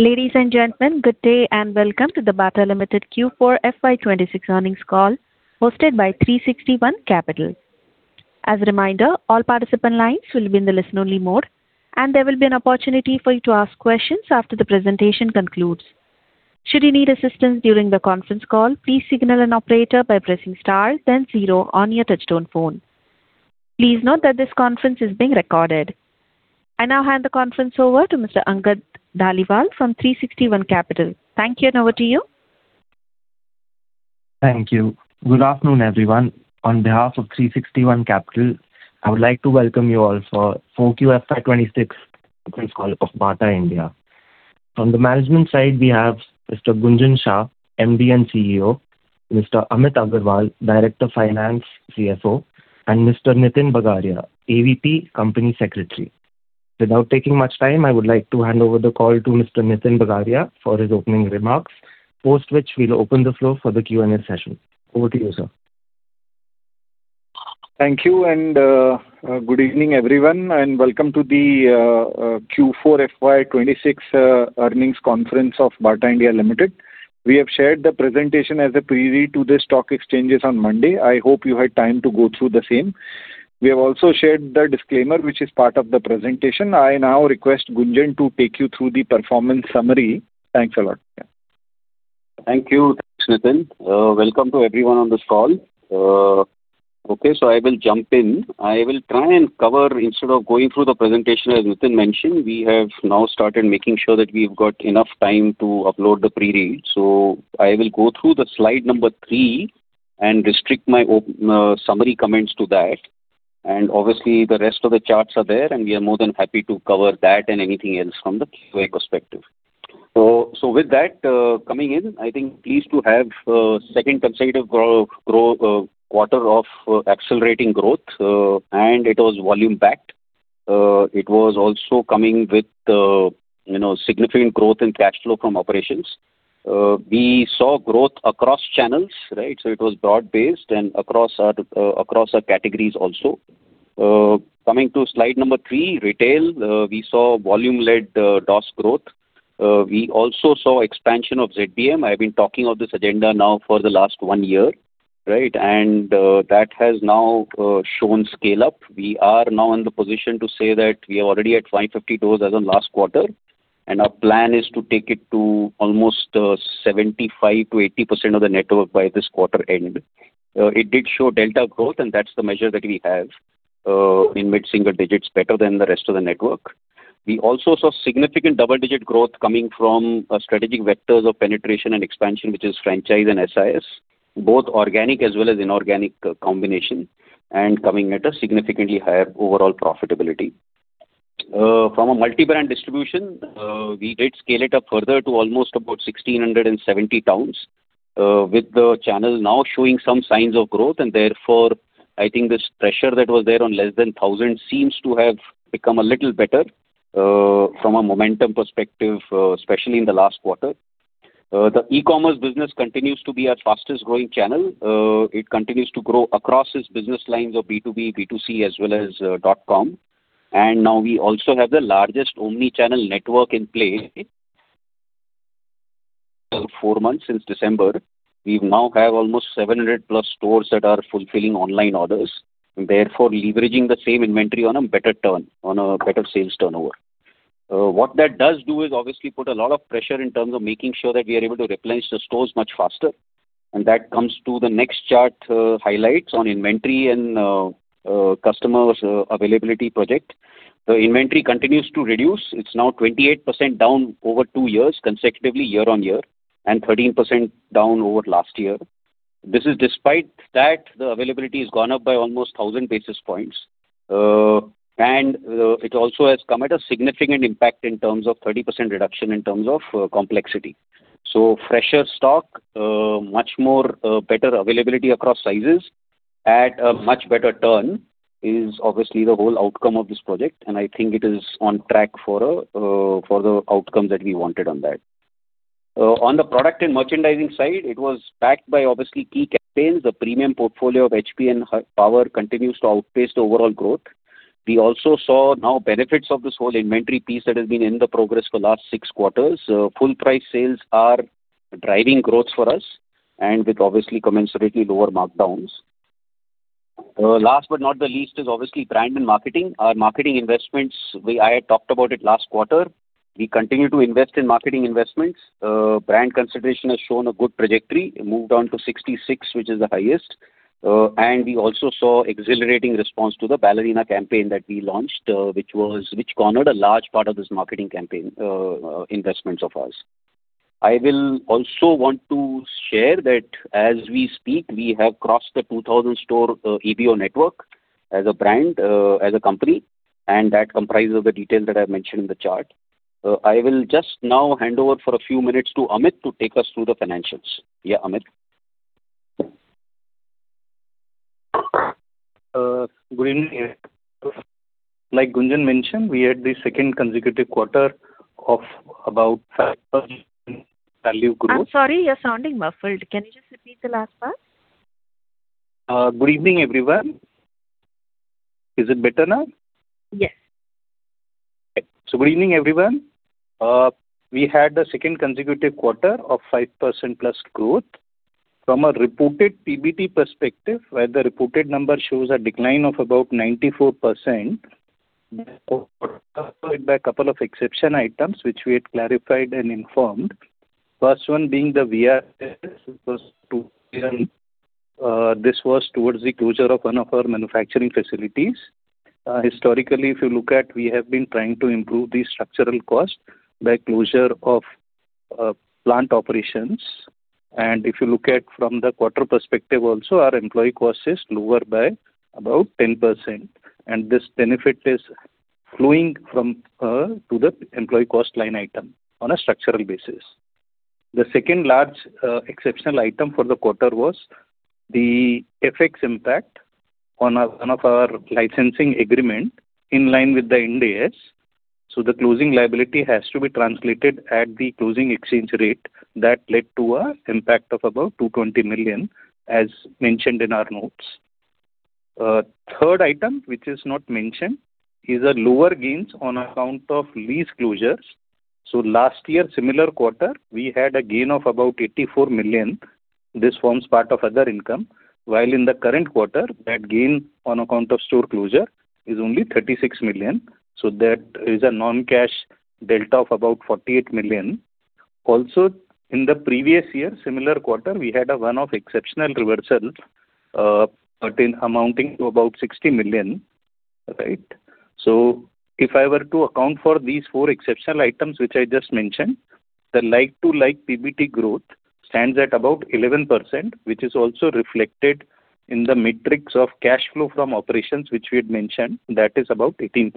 Ladies and gentlemen, good day and welcome to the Bata India Limited Q4 FY 2026 earnings call hosted by 361 Capital. As a reminder, all participant lines will be in the listen only mode, and there will be an opportunity for you to ask questions after the presentation concludes. Should you need assistance during the conference call, please signal an operator by pressing star then zero on your touch-tone phone. Please note that this conference is being recorded. I now hand the conference over to Mr. Ankit Dhaliwal from 361 Capital. Thank you, and over to you. Thank you. Good afternoon, everyone. On behalf of 361 Capital, I would like to welcome you all for 4Q FY 2026 earnings call of Bata India. From the management side, we have Mr. Gunjan Shah, MD and CEO, Mr. Amit Aggarwal, Director of Finance, CFO, and Mr. Nitin Bagaria, AVP Company Secretary. Without taking much time, I would like to hand over the call to Mr. Nitin Bagaria for his opening remarks. Post which we will open the floor for the Q&A session. Over to you, sir. Thank you. Good evening, everyone, and welcome to the Q4 FY 2026 earnings conference of Bata India Limited. We have shared the presentation as a preview to the stock exchanges on Monday. I hope you had time to go through the same. We have also shared the disclaimer, which is part of the presentation. I now request Gunjan to take you through the performance summary. Thanks a lot. Thank you. Thanks, Nitin. Welcome to everyone on this call. I will jump in. I will try and cover instead of going through the presentation, as Nitin mentioned, we have now started making sure that we've got enough time to upload the pre-read. I will go through the slide number three and restrict my summary comments to that. Obviously the rest of the charts are there, and we are more than happy to cover that and anything else from the QA perspective. With that, coming in, I think pleased to have second consecutive quarter of accelerating growth, and it was volume backed. It was also coming with significant growth in cash flow from operations. We saw growth across channels. It was broad-based and across our categories also. Coming to slide number three, retail, we saw volume led DOS growth. We also saw expansion of ZBM. I've been talking of this agenda now for the last one year. That has now shown scale up. We are now in the position to say that we are already at 550 stores as on last quarter, and our plan is to take it to almost 75%-80% of the network by this quarter end. It did show delta growth, and that's the measure that we have in mid-single digits, better than the rest of the network. We also saw significant double-digit growth coming from strategic vectors of penetration and expansion, which is franchise and SIS, both organic as well as inorganic combination, and coming at a significantly higher overall profitability. From a multi-brand distribution, we did scale it up further to almost about 1,670 towns with the channel now showing some signs of growth, and therefore, I think this pressure that was there on less than 1,000 seems to have become a little better, from a momentum perspective, especially in the last quarter. The e-commerce business continues to be our fastest growing channel. It continues to grow across its business lines of B2B, B2C, as well as bata.com. Now we also have the largest omni-channel network in play. Four months since December, we now have almost 700+ stores that are fulfilling online orders, therefore leveraging the same inventory on a better turn, on a better sales turnover. What that does do is obviously put a lot of pressure in terms of making sure that we are able to replenish the stores much faster. That comes to the next chart highlights on inventory and customers availability project. The inventory continues to reduce. It is now 28% down over two years consecutively year-on-year and 13% down over last year. This is despite that the availability has gone up by almost 1,000 basis points. It also has come at a significant impact in terms of 30% reduction in terms of complexity. Fresher stock, much more better availability across sizes at a much better turn is obviously the whole outcome of this project, and I think it is on track for the outcomes that we wanted on that. On the product and merchandising side, it was backed by obviously key campaigns. The premium portfolio of HBN [inaudible] Power continues to outpace the overall growth. We also saw now benefits of this whole inventory piece that has been in the progress for last six quarters. Full price sales are driving growth for us and with obviously commensurately lower markdowns. Last but not the least is obviously brand and marketing. Our marketing investments, I had talked about it last quarter. We continue to invest in marketing investments. Brand consideration has shown a good trajectory. It moved on to 66, which is the highest. We also saw exhilarating response to the Ballerina campaign that we launched which cornered a large part of this marketing campaign investments of ours. I will also want to share that as we speak, we have crossed the 2,000 store EBO network as a brand, as a company, and that comprises the details that I've mentioned in the chart. I will just now hand over for a few minutes to Amit to take us through the financials. Yeah, Amit. Good evening. Like Gunjan mentioned, we had the second consecutive quarter of about. I'm sorry, you're sounding muffled. Can you just repeat the last part? Good evening, everyone. Is it better now? Yes. Okay. Good evening, everyone. We had the second consecutive quarter of 5%+ growth. From a reported PBT perspective, where the reported number shows a decline of about 94%, by a couple of exception items, which we had clarified and informed. First one being this was towards the closure of one of our manufacturing facilities. Historically, if you look at, we have been trying to improve the structural cost by closure of plant operations. If you look at from the quarter perspective also, our employee cost is lower by about 10%. This benefit is flowing to the employee cost line item on a structural basis. The second large exceptional item for the quarter was the FX impact on one of our licensing agreement, in line with the Indian tax. The closing liability has to be translated at the closing exchange rate that led to a impact of about 220 million, as mentioned in our notes. Third item, which is not mentioned, is a lower gains on account of lease closures. Last year, similar quarter, we had a gain of about 84 million. This forms part of other income, while in the current quarter, that gain on account of store closure is only 36 million. That is a non-cash delta of about 48 million. Also, in the previous year, similar quarter, we had a one-off exceptional reversal amounting to about 60 million. If I were to account for these four exceptional items which I just mentioned, the like-to-like PBT growth stands at about 11%, which is also reflected in the metrics of cash flow from operations, which we had mentioned, that is about 18%.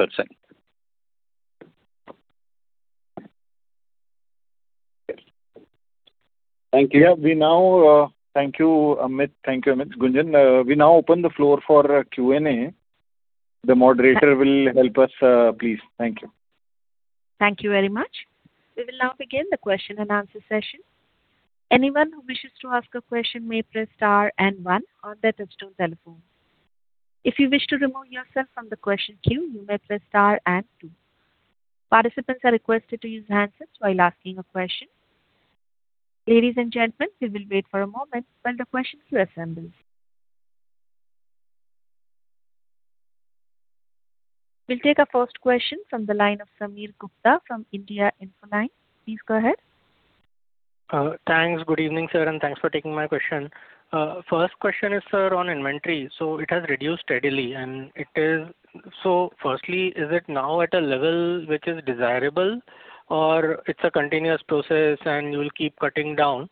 Thank you. Yeah. Thank you, Amit. Thank you, Amit. Gunjan, we now open the floor for Q&A. The moderator will help us, please. Thank you. Thank you very much. We will now begin the question-and-answer session. Anyone who wishes to ask a question may press star and one on their touch-tone telephone. If you wish to remove yourself from the question queue, you may press star and two. Participants are requested to use handsets while asking a question. Ladies and gentlemen, we will wait for a moment while the questions reassemble. We'll take our first question from the line of Sameer Gupta from India Infoline. Please go ahead. Thanks. Good evening, sir, and thanks for taking my question. First question is, sir, on inventory. It has reduced steadily, and so firstly, is it now at a level which is desirable or it's a continuous process and you will keep cutting down?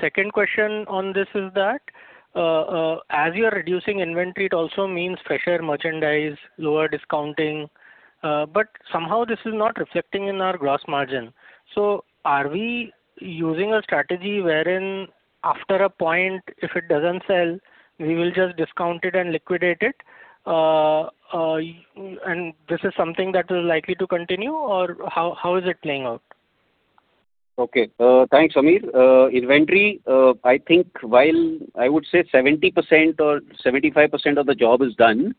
Second question on this is that, as you're reducing inventory, it also means fresher merchandise, lower discounting. Somehow this is not reflecting in our gross margin. Are we using a strategy wherein after a point, if it doesn't sell, we will just discount it and liquidate it? This is something that will likely to continue or how is it playing out? Okay. Thanks, Sameer. Inventory, I think while I would say 70% or 75% of the job is done.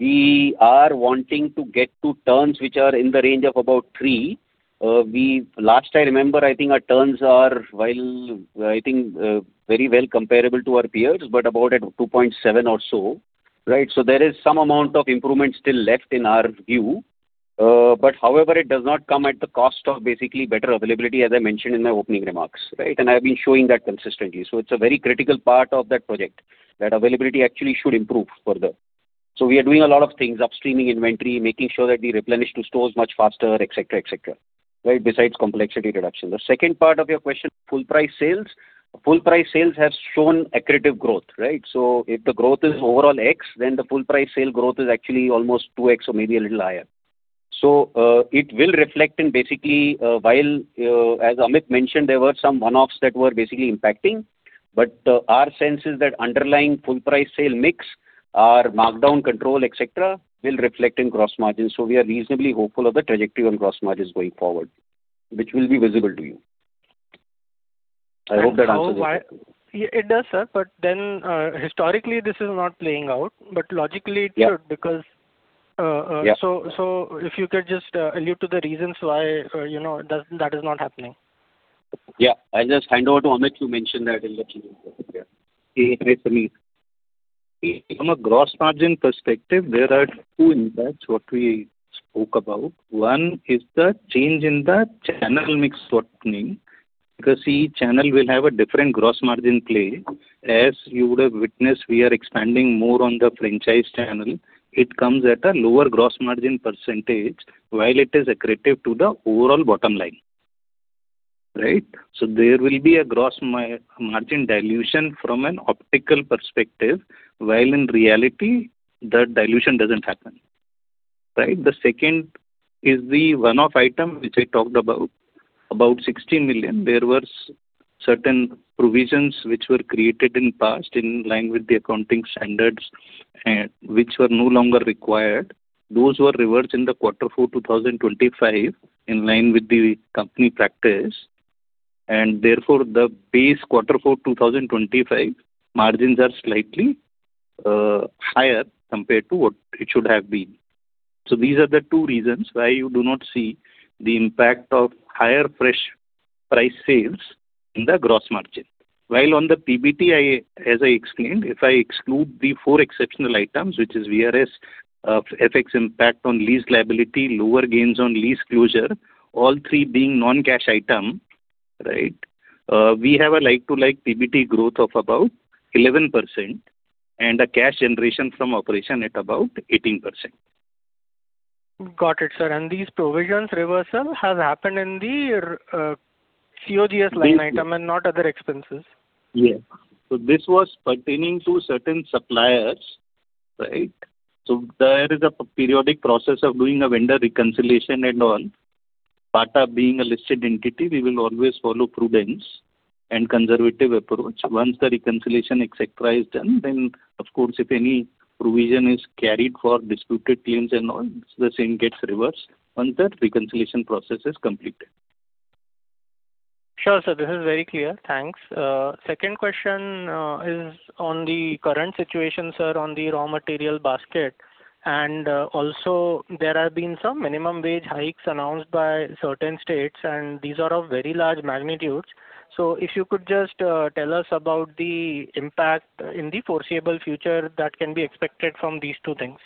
We are wanting to get to turns which are in the range of about three. Last I remember, I think our turns are, I think, very well comparable to our peers, but about at 2.7 or so. Right. There is some amount of improvement still left in our view. However, it does not come at the cost of basically better availability, as I mentioned in my opening remarks. Right. I've been showing that consistently. It's a very critical part of that project, that availability actually should improve further. We are doing a lot of things, upstreaming inventory, making sure that we replenish to stores much faster, et cetera. Right. Besides complexity reduction. The second part of your question, full price sales. Full price sales have shown accretive growth, right? If the growth is overall x, then the full price sale growth is actually almost 2x or maybe a little higher. It will reflect in basically, while as Amit mentioned, there were some one-offs that were basically impacting. Our sense is that underlying full price sale mix, our markdown control, et cetera, will reflect in gross margins. We are reasonably hopeful of the trajectory on gross margins going forward, which will be visible to you. I hope that answers it. It does, sir. Historically, this is not playing out, but logically it should. Yeah. If you could just allude to the reasons why that is not happening. Yeah. I'll just hand over to Amit to mention that in the Q&A. Hi, Sameer. From a gross margin perspective, there are two impacts what we spoke about. One is the change in the channel mix opening, because each channel will have a different gross margin play. As you would have witnessed, we are expanding more on the franchise channel. It comes at a lower gross margin percentage while it is accretive to the overall bottom line. Right? There will be a gross margin dilution from an optical perspective, while in reality, the dilution doesn't happen. Right? The second is the one-off item which I talked about 60 million. There was certain provisions which were created in past in line with the accounting standards, and which were no longer required. Those were reversed in the quarter four 2025, in line with the company practice. Therefore, the base quarter four 2025 margins are slightly higher compared to what it should have been. These are the two reasons why you do not see the impact of higher price sales in the gross margin. On the PBT, as I explained, if I exclude the four exceptional items, which is VRS, FX impact on lease liability, lower gains on lease closure, all three being non-cash items. We have a like-to-like PBT growth of about 11% and a cash generation from operation at about 18%. Got it, sir. These provisions reversal has happened in the COGS line item and not other expenses. Yeah. This was pertaining to certain suppliers. There is a periodic process of doing a vendor reconciliation and all. Bata being a listed entity, we will always follow prudence and conservative approach. Once the reconciliation exercise is done, then of course, if any provision is carried for disputed claims and all, the same gets reversed once that reconciliation process is completed. Sure, sir. This is very clear. Thanks. Second question is on the current situation, sir, on the raw material basket, and also there have been some minimum wage hikes announced by certain states, and these are of very large magnitudes. If you could just tell us about the impact in the foreseeable future that can be expected from these two things.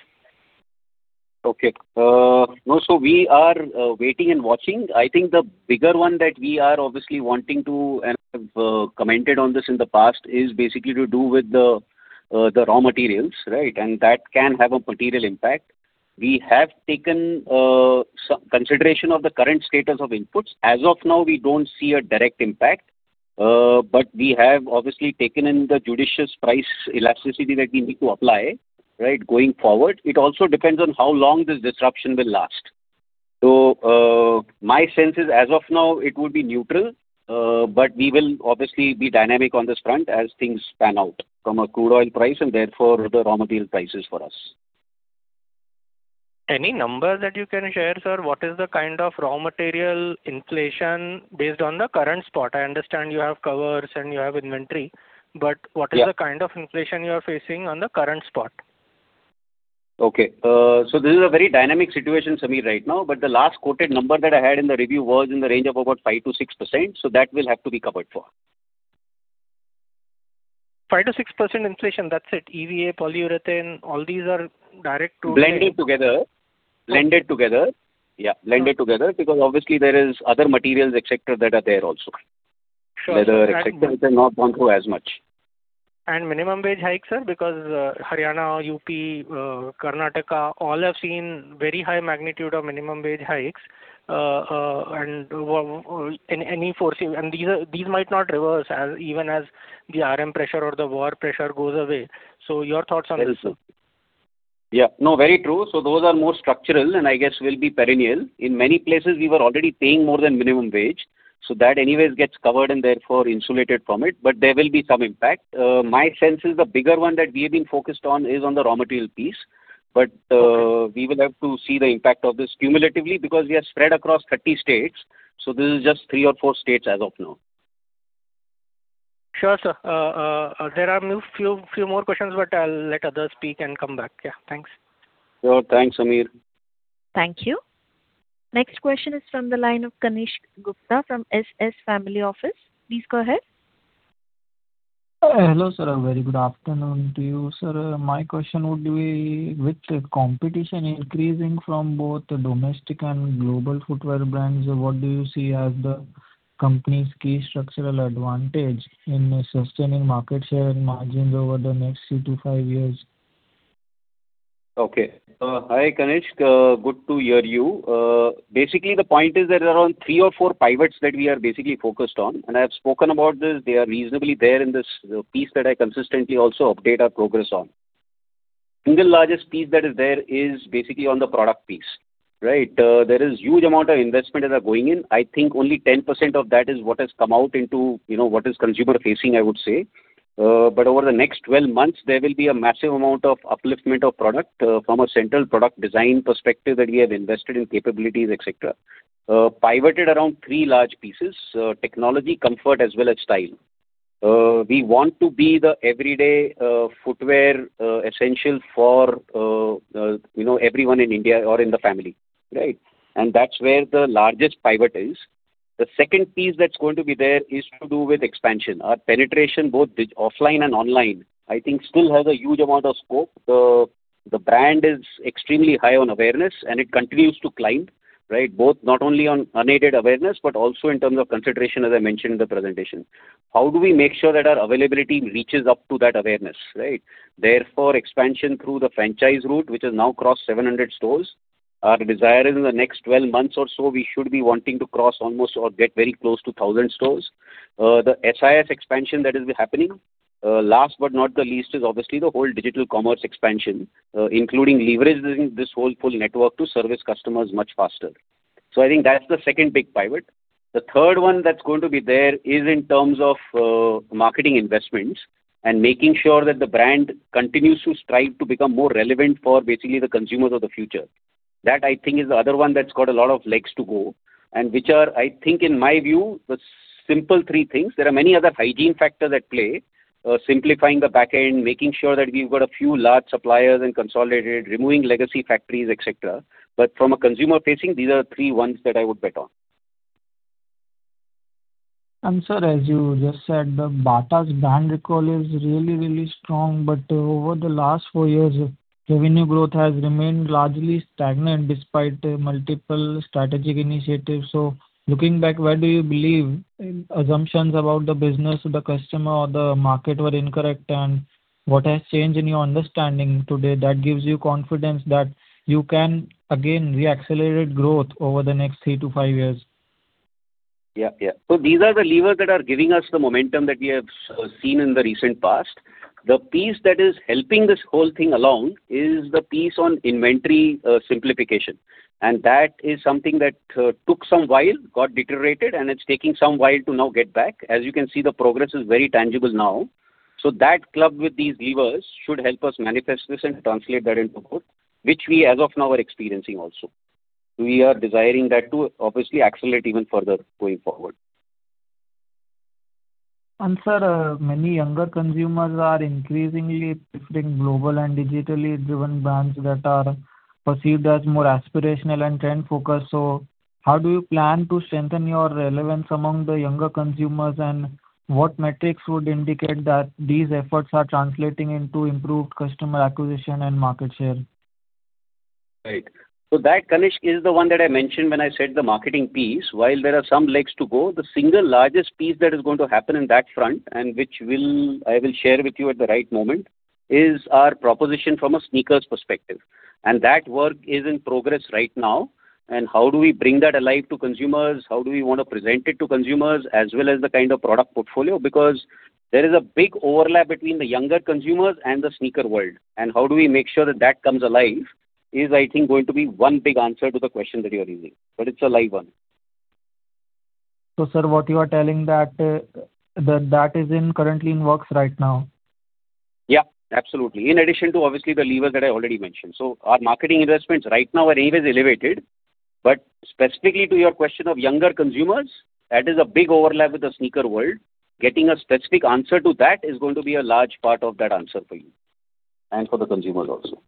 Okay. We are waiting and watching. I think the bigger one that we are obviously wanting to, and I've commented on this in the past, is basically to do with the raw materials, and that can have a material impact. We have taken consideration of the current status of inputs. As of now, we don't see a direct impact, but we have obviously taken in the judicious price elasticity that we need to apply going forward. It also depends on how long this disruption will last. My sense is, as of now, it would be neutral, but we will obviously be dynamic on this front as things pan out from a crude oil price and therefore the raw material prices for us. Any number that you can share, sir? What is the kind of raw material inflation based on the current spot? I understand you have covers and you have inventory. Yeah the kind of inflation you are facing on the current spot? Okay. This is a very dynamic situation, Sameer, right now, but the last quoted number that I had in the review was in the range of about 5%-6%. That will have to be covered for. 5%-6% inflation, that's it. EVA, polyurethane, all these are direct to-. Blended together. Yeah. Blended together because obviously there is other materials, et cetera, that are there also. Sure. Leather, et cetera, have not gone through as much. Minimum wage hike, sir, because Haryana, UP, Karnataka, all have seen very high magnitude of minimum wage hikes. These might not reverse even as the RM pressure or the war pressure goes away. Your thoughts on this, sir. Yeah. No, very true. Those are more structural and I guess will be perennial. In many places, we were already paying more than minimum wage, so that anyways gets covered and therefore insulated from it. There will be some impact. My sense is the bigger one that we have been focused on is on the raw material piece. We will have to see the impact of this cumulatively because we are spread across 30 states. This is just three or four states as of now. Sure, sir. There are a few more questions, but I'll let others speak and come back. Yeah. Thanks. Sure. Thanks, Sameer. Thank you. Next question is from the line of Kanishk Gupta from SS Family Office. Please go ahead. Hello, sir. A very good afternoon to you. Sir, my question would be, with competition increasing from both domestic and global footwear brands, what do you see as the company's key structural advantage in sustaining market share and margins over the next three to five years? Hi, Kanishk. Good to hear you. The point is that there are three or four pivots that we are basically focused on. I have spoken about this. They are reasonably there in this piece that I consistently also update our progress on. Single largest piece that is there is basically on the product piece. There is huge amount of investment that are going in. I think only 10% of that is what has come out into what is consumer facing, I would say. Over the next 12 months, there will be a massive amount of upliftment of product from a central product design perspective that we have invested in capabilities, et cetera. Pivoted around three large pieces, technology, comfort, as well as style. We want to be the everyday footwear essential for everyone in India or in the family. That's where the largest pivot is. The second piece that's going to be there is to do with expansion. Our penetration, both offline and online, I think still has a huge amount of scope. The brand is extremely high on awareness, and it continues to climb. Both not only on unaided awareness, but also in terms of consideration, as I mentioned in the presentation. How do we make sure that our availability reaches up to that awareness, right? Therefore, expansion through the franchise route, which has now crossed 700 stores. Our desire is in the next 12 months or so, we should be wanting to cross almost or get very close to 1,000 stores. The SIS expansion that will be happening. Last but not the least is obviously the whole digital commerce expansion, including leveraging this whole full network to service customers much faster. I think that's the second big pivot. The third one that's going to be there is in terms of marketing investments and making sure that the brand continues to strive to become more relevant for basically the consumers of the future. That I think is the other one that's got a lot of legs to go, and which are, I think in my view, the simple three things. There are many other hygiene factors at play, simplifying the back end, making sure that we've got a few large suppliers and consolidated, removing legacy factories, et cetera. From a consumer facing, these are three ones that I would bet on. Sir, as you just said, the Bata's brand recall is really, really strong. Over the last four years, revenue growth has remained largely stagnant despite multiple strategic initiatives. Looking back, where do you believe assumptions about the business, the customer or the market were incorrect, and what has changed in your understanding today that gives you confidence that you can again re-accelerate growth over the next three to five years? Yeah. These are the levers that are giving us the momentum that we have seen in the recent past. The piece that is helping this whole thing along is the piece on inventory simplification. That is something that took some while, got deteriorated, and it's taking some while to now get back. As you can see, the progress is very tangible now. That clubbed with these levers should help us manifest this and translate that into growth, which we as of now are experiencing also. We are desiring that to obviously accelerate even further going forward. Sir, many younger consumers are increasingly preferring global and digitally driven brands that are perceived as more aspirational and trend focused. How do you plan to strengthen your relevance among the younger consumers? What metrics would indicate that these efforts are translating into improved customer acquisition and market share? Right. That, Kanishk, is the one that I mentioned when I said the marketing piece. While there are some legs to go, the single largest piece that is going to happen in that front, and which I will share with you at the right moment, is our proposition from a sneakers perspective. That work is in progress right now. How do we bring that alive to consumers, how do we want to present it to consumers, as well as the kind of product portfolio. Because there is a big overlap between the younger consumers and the sneaker world. How do we make sure that that comes alive is, I think going to be one big answer to the question that you're raising, but it's a live one. Sir, what you are telling that is currently in works right now. Yeah, absolutely. In addition to obviously the levers that I already mentioned. Our marketing investments right now are anyways elevated. Specifically to your question of younger consumers, that is a big overlap with the sneaker world. Getting a specific answer to that is going to be a large part of that answer for you and for the consumers also.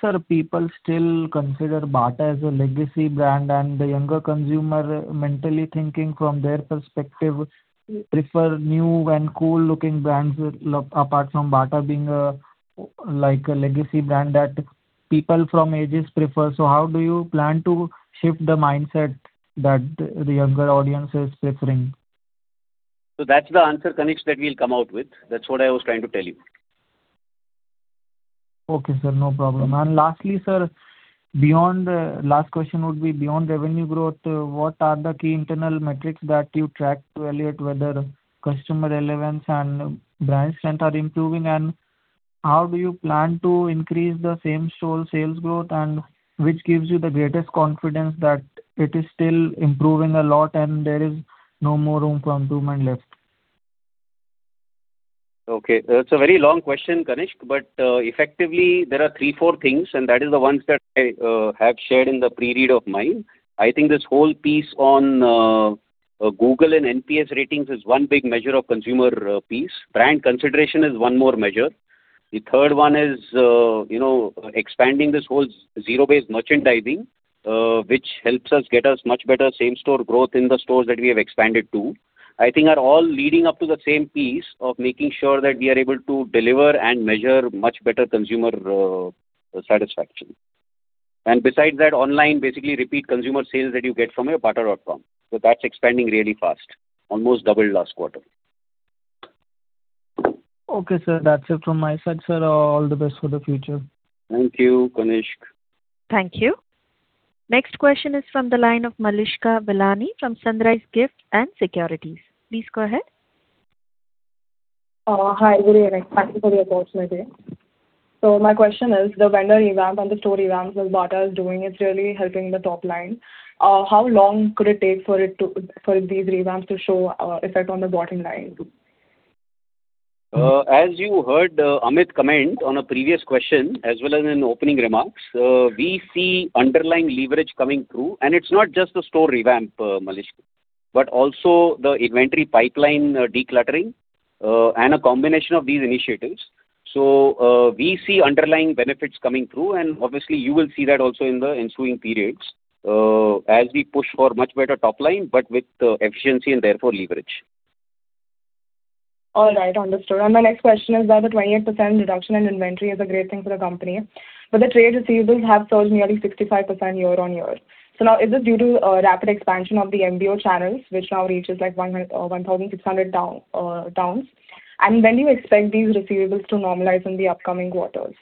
Sir, people still consider Bata as a legacy brand, and the younger consumer mentally thinking from their perspective prefer new and cool looking brands, apart from Bata being a legacy brand that people from ages prefer. How do you plan to shift the mindset that the younger audience is preferring? That's the answer, Kanishk, that we'll come out with. That's what I was trying to tell you. Okay, sir. No problem. Lastly, sir, last question would be, beyond revenue growth, what are the key internal metrics that you track to evaluate whether customer relevance and brand strength are improving? How do you plan to increase the same store sales growth, and which gives you the greatest confidence that it is still improving a lot and there is no more room for improvement left? Okay. That's a very long question, Kanishk. Effectively, there are three, four things, and that is the ones that I have shared in the pre-read of mine. I think this whole piece on Google and NPS ratings is one big measure of consumer piece. Brand consideration is one more measure. The third one is expanding this whole zero-based merchandising, which helps us get us much better same store growth in the stores that we have expanded to. I think are all leading up to the same piece of making sure that we are able to deliver and measure much better consumer satisfaction. Besides that, online, basically repeat consumer sales that you get from your bata.com. That's expanding really fast. Almost doubled last quarter. Okay, sir. That's it from my side, sir. All the best for the future. Thank you, Kanishk. Thank you. Next question is from the line of Malishka Milani from Sunrise Gilts & Securities. Please go ahead. Hi, good evening. Thank you for your thoughts. [inaudible] My question is, the vendor revamp and the store revamps that Bata is doing, it's really helping the top line. How long could it take for these revamps to show effect on the bottom line too? As you heard Amit comment on a previous question as well as in opening remarks, we see underlying leverage coming through, and it's not just the store revamp, Malishka, but also the inventory pipeline decluttering, and a combination of these initiatives. We see underlying benefits coming through, and obviously you will see that also in the ensuing periods, as we push for much better top line, but with efficiency and therefore leverage. All right. Understood. My next question is that the 28% reduction in inventory is a great thing for the company, the trade receivables have surged nearly 65% year-on-year. Now is this due to rapid expansion of the MBO channels, which now reaches like 1,600 towns? When do you expect these receivables to normalize in the upcoming quarters?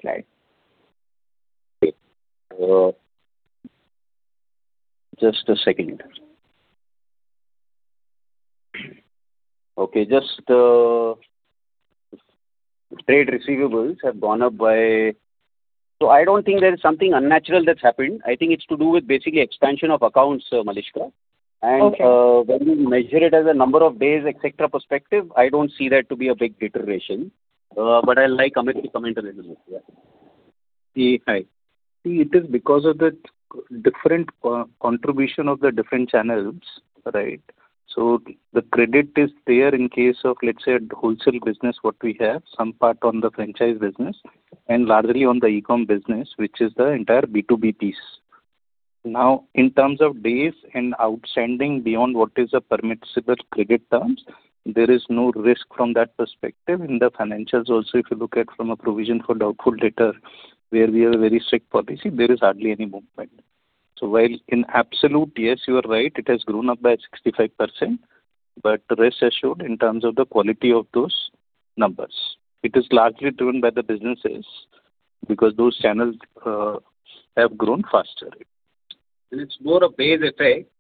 Just a second. Okay. Trade receivables have gone up by. I don't think there is something unnatural that's happened. I think it's to do with basically expansion of accounts, Malishka. When you measure it as a number of days, et cetera, perspective, I don't see that to be a big deterioration. I'll like Amit to comment a little bit here. Yeah. It is because of the different contribution of the different channels, right? The credit is there in case of, let's say, the wholesale business, what we have some part on the franchise business and largely on the e-com business, which is the entire B2B piece. In terms of days and outstanding beyond what is the permissible credit terms, there is no risk from that perspective. In the financials also, if you look at from a provision for doubtful debtor, where we have a very strict policy, there is hardly any movement. While in absolute, yes, you are right, it has grown up by 65%, rest assured, in terms of the quality of those numbers, it is largely driven by the businesses because those channels have grown faster. It's more a base effect.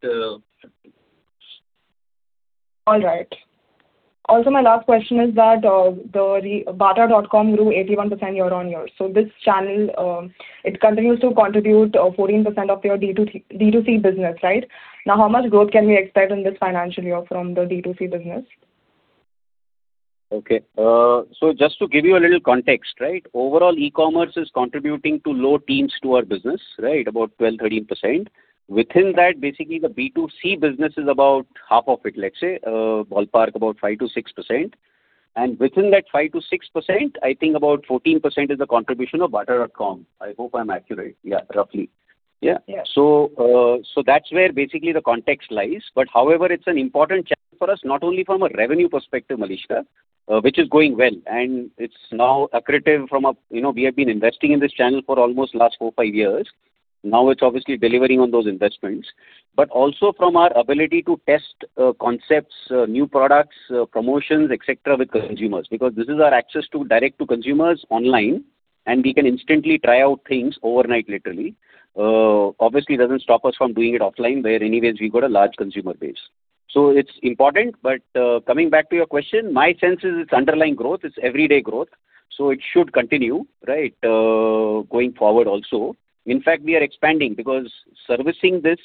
All right. My last question is that the bata.com grew 81% year-on-year. This channel, it continues to contribute 14% of your D2C business, right? How much growth can we expect in this financial year from the D2C business? Okay. Just to give you a little context, right? Overall, e-commerce is contributing to low teens to our business, right? About 12%, 13%. Within that, basically, the B2C business is about half of it, let's say, ballpark about 5%-6%. Within that 5%-6%, I think about 14% is the contribution of bata.com. I hope I'm accurate. Yeah, roughly. Yeah. That's where basically the context lies. However, it's an important channel for us, not only from a revenue perspective, Malishka, which is going well, and it's now accretive. We have been investing in this channel for almost last four, five years. Now it's obviously delivering on those investments, but also from our ability to test concepts, new products, promotions, et cetera, with consumers. Because this is our access direct to consumers online, and we can instantly try out things overnight, literally. Obviously, it doesn't stop us from doing it offline where anyways we've got a large consumer base. It's important, but coming back to your question, my sense is its underlying growth. It's everyday growth. It should continue, right, going forward also. In fact, we are expanding because servicing this,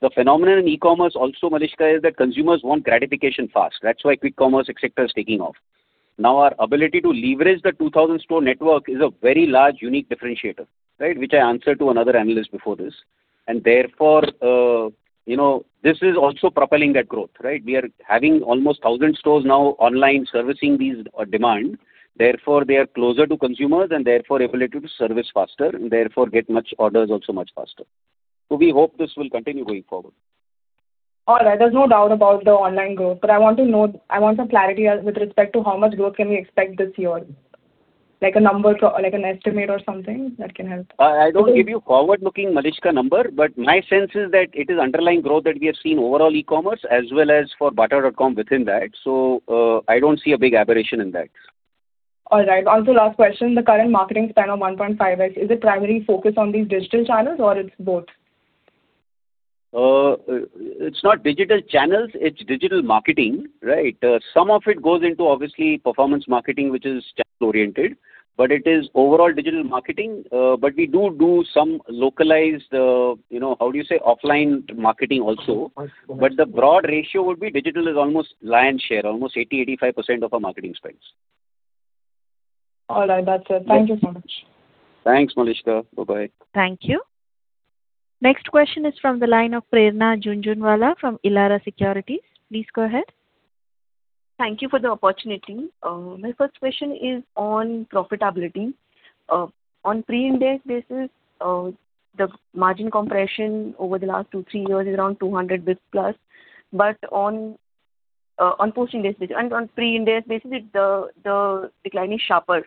the phenomenon in e-commerce also, Malishka, is that consumers want gratification fast. That's why quick commerce, et cetera, is taking off. Now, our ability to leverage the 2,000 store network is a very large, unique differentiator, right? Which I answered to another analyst before this. Therefore, this is also propelling that growth, right? We are having almost 1,000 stores now online servicing these demand. Therefore, they are closer to consumers and therefore ability to service faster and therefore get orders also much faster. We hope this will continue going forward. All right. There's no doubt about the online growth, but I want some clarity with respect to how much growth can we expect this year? Like a number, like an estimate or something that can help. I don't give you forward-looking, Malishka, number, but my sense is that it is underlying growth that we have seen overall e-commerce as well as for bata.com within that. I don't see a big aberration in that. All right. Last question. The current marketing spend of 1.5x, is it primarily focused on these digital channels or it's both? It's not digital channels, it's digital marketing, right? Some of it goes into obviously performance marketing, which is channel-oriented, but it is overall digital marketing. We do some localized, how do you say, offline marketing also. The broad ratio would be digital is almost lion's share, almost 80%-85% of our marketing spends. All right. That's it. Thank you so much. Thanks, Malishka. Bye-bye. Thank you. Next question is from the line of Prerna Jhunjhunwala from Elara Securities. Please go ahead. Thank you for the opportunity. My first question is on profitability. On pre-Ind AS basis, the margin compression over the last two, three years is around 200+ basis On pre-Ind AS basis, the decline is sharper.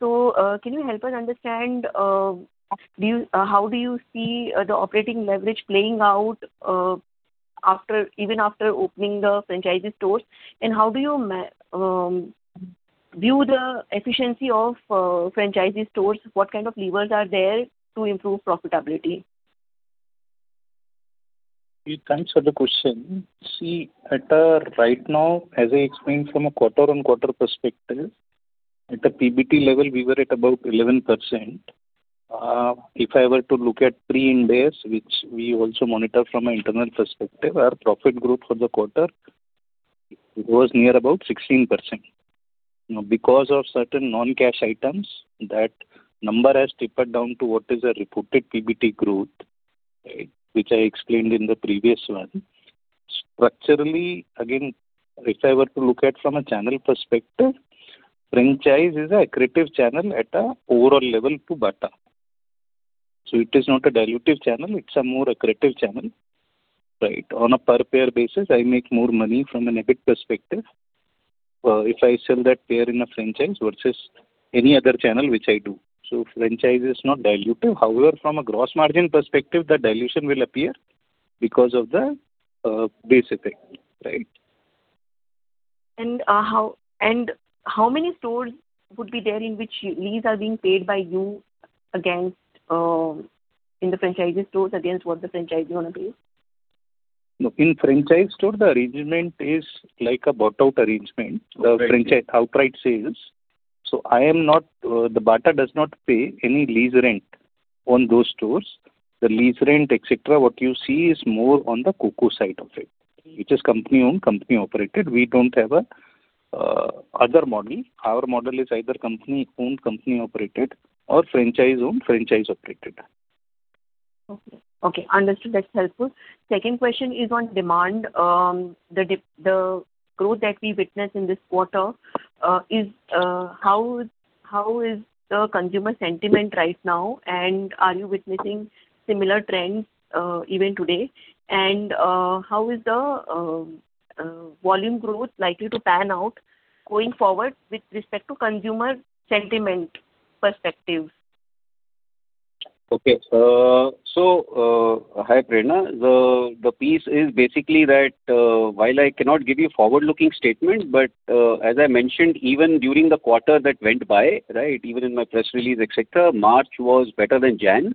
Can you help us understand, how do you see the operating leverage playing out even after opening the franchisee stores? How do you view the efficiency of franchisee stores? What kind of levers are there to improve profitability? Thanks for the question. Right now, as I explained from a quarter-on-quarter perspective, at a PBT level, we were at about 11%. If I were to look at pre-Ind AS, which we also monitor from an internal perspective, our profit growth for the quarter was near about 16%. Because of certain non-cash items, that number has tapered down to what is a reported PBT growth, which I explained in the previous one. Structurally, again, if I were to look at from a channel perspective, franchise is an accretive channel at an overall level to Bata. It is not a dilutive channel, it's a more accretive channel. On a per pair basis, I make more money from an EBIT perspective if I sell that pair in a franchise versus any other channel which I do. Franchise is not dilutive. However, from a gross margin perspective, the dilution will appear because of the base effect. How many stores would be there in which lease are being paid by you in the franchisee stores against what the franchisee want to pay? In franchise store, the arrangement is like a bought-out arrangement. The franchise outright sales. The Bata does not pay any lease rent on those stores. The lease rent, et cetera, what you see is more on the COCO side of it, which is company-owned, company-operated. We don't have other model. Our model is either company-owned, company-operated, or franchise-owned, franchise-operated. Okay. Understood. That's helpful. Second question is on demand. The growth that we witnessed in this quarter, how is the consumer sentiment right now, and are you witnessing similar trends even today? How is the volume growth likely to pan out going forward with respect to consumer sentiment perspective? Okay. Hi, Prerna. The piece is basically that while I cannot give you forward-looking statements, but as I mentioned, even during the quarter that went by, even in my press release, et cetera, March was better than January.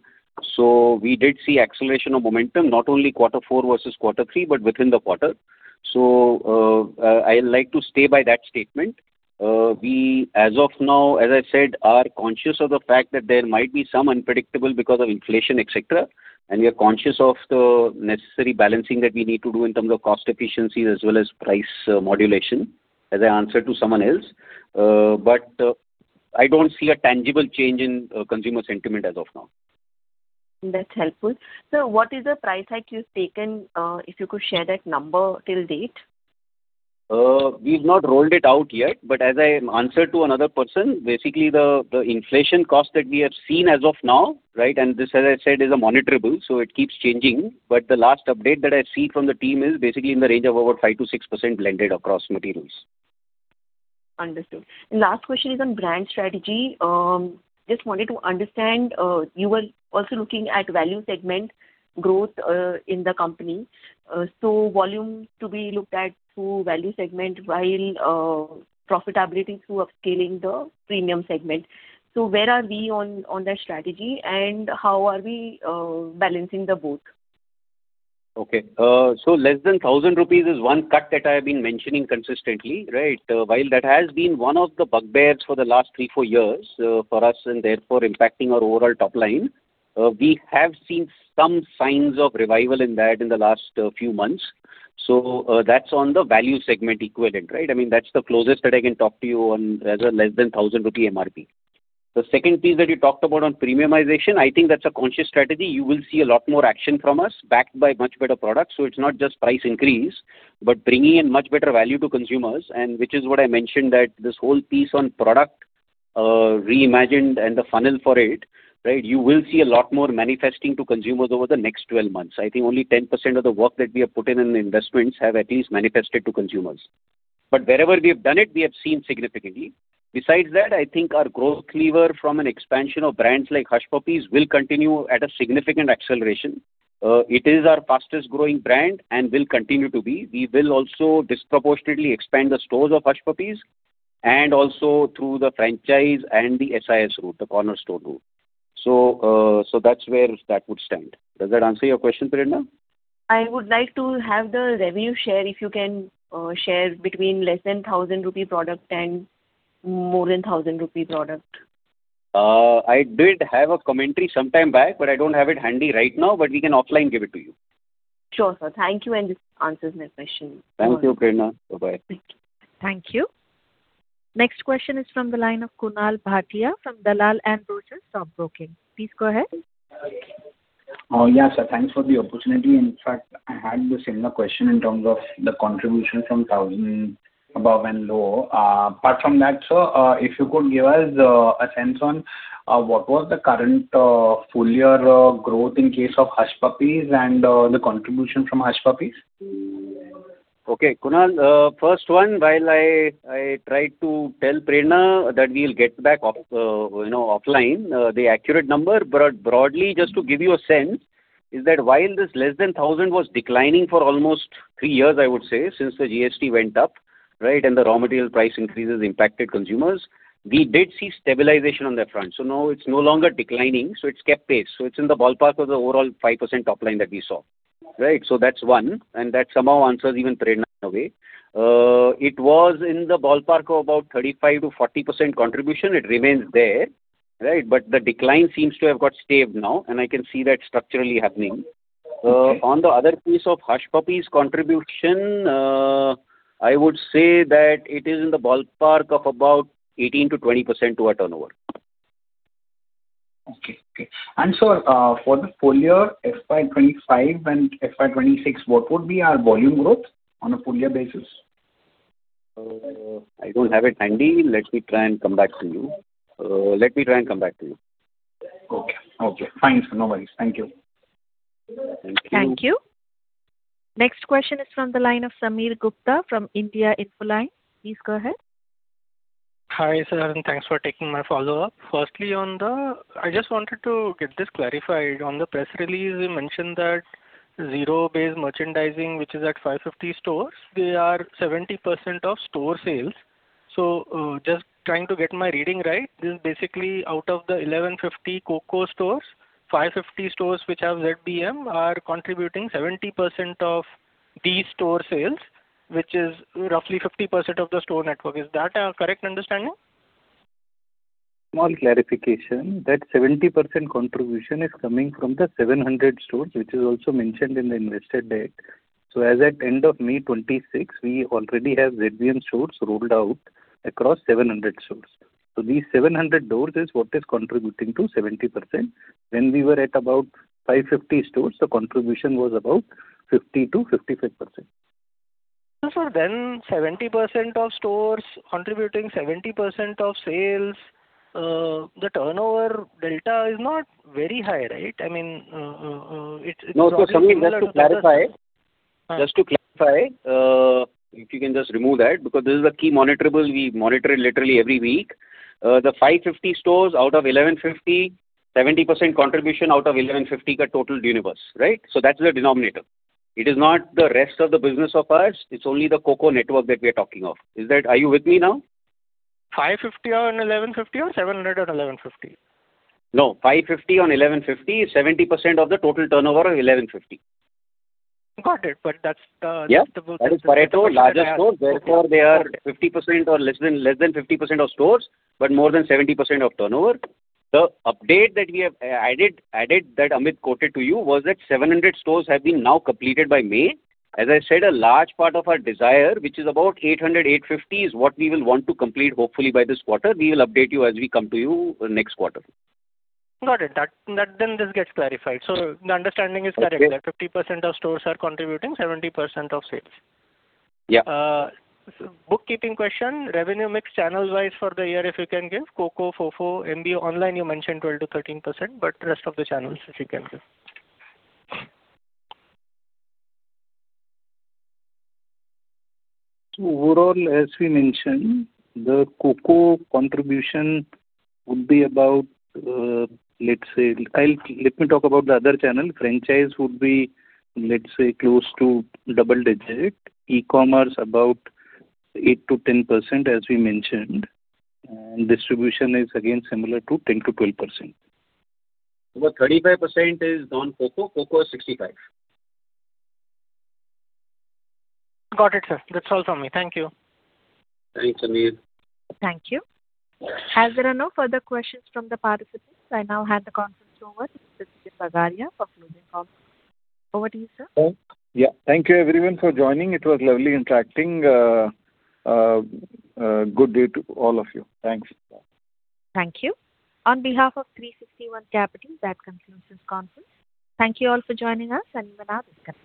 We did see acceleration of momentum, not only quarter four versus quarter three, but within the quarter. I like to stay by that statement. We, as of now, as I said, are conscious of the fact that there might be some unpredictable because of inflation, et cetera, and we are conscious of the necessary balancing that we need to do in terms of cost efficiencies as well as price modulation, as I answered to someone else. I don't see a tangible change in consumer sentiment as of now. That's helpful. Sir, what is the price hike you've taken? If you could share that number till date. We've not rolled it out yet. As I answered to another person, basically the inflation cost that we have seen as of now, and this, as I said, is a monitorable, so it keeps changing. The last update that I see from the team is basically in the range of over 5%-6% blended across materials. Understood. Last question is on brand strategy. Just wanted to understand, you were also looking at value segment growth in the company. Volumes to be looked at through value segment while profitability through upscaling the premium segment. Where are we on that strategy, and how are we balancing the both? Okay. Less than 1,000 rupees is one cut that I have been mentioning consistently. While that has been one of the bugbears for the last three, four years for us, and therefore impacting our overall top line, we have seen some signs of revival in that in the last few months. That's on the value segment equivalent. That's the closest that I can talk to you on less than 1,000 rupee MRP. The second piece that you talked about on premiumization, I think that's a conscious strategy. You will see a lot more action from us backed by much better products. It's not just price increase, but bringing in much better value to consumers, and which is what I mentioned that this whole piece on product reimagined and the funnel for it. You will see a lot more manifesting to consumers over the next 12 months. I think only 10% of the work that we have put in investments have at least manifested to consumers. Wherever we have done it, we have seen significantly. Besides that, I think our growth lever from an expansion of brands like Hush Puppies will continue at a significant acceleration. It is our fastest-growing brand and will continue to be. We will also disproportionately expand the stores of Hush Puppies, and also through the franchise and the SIS route, the cornerstone route. That's where that would stand. Does that answer your question, Prerna? I would like to have the revenue share, if you can share between less than 1,000 rupee product and more than 1,000 rupee product. I did have a commentary sometime back, but I don't have it handy right now, but we can offline give it to you. Sure, sir. Thank you, and this answers my question. Thank you, Prerna. Bye-bye. Thank you. Thank you. Next question is from the line of Kunal Bhatia from Dalal & Broacha Stock Broking. Please go ahead. Yeah, sir. Thanks for the opportunity. In fact, I had the similar question in terms of the contribution from thousand above and low. Apart from that, sir, if you could give us a sense on what was the current full-year growth in case of Hush Puppies and the contribution from Hush Puppies. Okay, Kunal. First one, while I tried to tell Prerna that we'll get back offline the accurate number. Broadly, just to give you a sense, is that while this less than 1,000 was declining for almost three years, I would say, since the GST went up, and the raw material price increases impacted consumers. We did see stabilization on that front. Now it's no longer declining, it's kept pace. It's in the ballpark of the overall 5% top line that we saw. That's one, and that somehow answers even Prerna in a way. It was in the ballpark of about 35%-40% contribution. It remains there. The decline seems to have got staved now, and I can see that structurally happening. Okay. On the other piece of Hush Puppies contribution, I would say that it is in the ballpark of about 18%-20% to our turnover. Okay. Sir, for the full year FY 2025 and FY 2026, what would be our volume growth on a full year basis? I don't have it handy. Let me try and come back to you. Okay. Fine, sir. No worries. Thank you. Thank you. Thank you. Next question is from the line of Sameer Gupta from India Infoline. Please go ahead. Hi, sir, thanks for taking my follow-up. Firstly, I just wanted to get this clarified. On the press release, you mentioned that zero-based merchandising, which is at 550 stores, they are 70% of store sales. Just trying to get my reading right. This is basically out of the 1,150 COCO stores, 550 stores which have ZBM are contributing 70% of these store sales, which is roughly 50% of the store network. Is that a correct understanding? Small clarification. That 70% contribution is coming from the 700 stores, which is also mentioned in the investor deck. As at end of May 2026, we already have ZBM stores rolled out across 700 stores. These 700 stores is what is contributing to 70%. When we were at about 550 stores, the contribution was about 50%-55%. 70% of stores contributing 70% of sales, the turnover delta is not very high, right? I mean, No. Sameer just to clarify, if you can just remove that, because this is a key monitorable, we monitor it literally every week. The 550 stores out of 1,150, 70% contribution out of 1,150 total universe, right? That's the denominator. It is not the rest of the business of ours. It's only the COCO network that we are talking of. Are you with me now? 550 on 1150 or 700 on 1150? No, 550 on 1,150, 70% of the total turnover of 1,150. Got it. That is Pareto larger stores, therefore they are 50% or less than 50% of stores, but more than 70% of turnover. The update that we have added that Amit quoted to you was that 700 stores have been now completed by May. As I said, a large part of our desire, which is about 800, 850, is what we will want to complete hopefully by this quarter. We will update you as we come to you next quarter. Got it. This gets clarified. The understanding is correct that 50% of stores are contributing 70% of sales. Yeah. Bookkeeping question, revenue mix channel-wise for the year, if you can give. COCO, FOFO, MBO, online you mentioned 12%-13%, Rest of the channels if you can give. Overall, as we mentioned, the COCO contribution would be about. Let me talk about the other channel. Franchise would be, let's say, close to double digit. E-commerce about 8%-10%, as we mentioned. Distribution is again similar to 10%-12%. About 35% is non-COCO. COCO is 65%. Got it, sir. That's all from me. Thank you. Thanks, Sameer. Thank you. As there are no further questions from the participants, I now hand the conference over to Mr. Bagaria for closing comments. Over to you, sir. Yeah. Thank you everyone for joining. It was lovely interacting. Good day to all of you. Thanks. Thank you. On behalf of 361 Capital, that concludes this conference. Thank you all for joining us, and you may now disconnect.